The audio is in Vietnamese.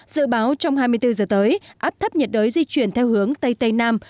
dự báo trong hai mươi bốn giờ tới áp thấp nhiệt đới di chuyển theo hướng tây tây nam